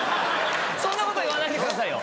そんなこと言わないでくださいよ。